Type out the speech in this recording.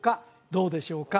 どうでしょうか？